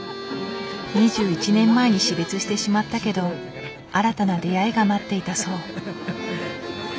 ２１年前に死別してしまったけど新たな出会いが待っていたそう。